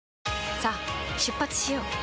さあ出発しよう。